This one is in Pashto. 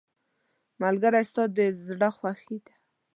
ملګری ستا د زړه خوښي ده.